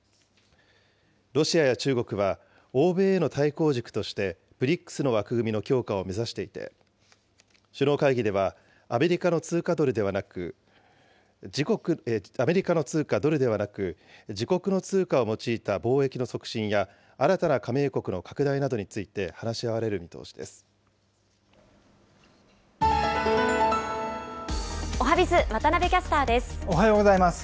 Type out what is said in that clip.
ロシアや中国は欧米への対抗軸として、ＢＲＩＣＳの枠組みの強化を目指していて、首脳会議では、アメリカの通貨ドルではなく、自国の通貨を用いた貿易の促進や新たな加盟国の拡大などについておはＢｉｚ、渡部キャスターおはようございます。